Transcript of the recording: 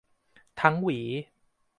ทั้งหวี